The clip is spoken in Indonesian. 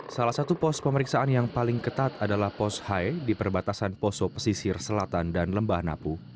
salah satu pos pemeriksaan yang paling ketat adalah pos hai di perbatasan poso pesisir selatan dan lembah napu